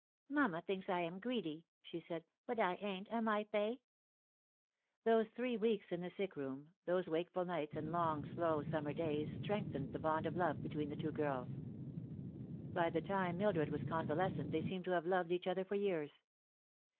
" Mamma thinks I am greedy," she said ; "but I ain't, am I Fay ?" Those three weeks in the sick room, those wakeful nights and long, slow summer days, strengthened the bond of love between the two girls. By the time Mildred was convalescent they seemed to have loved each other for years.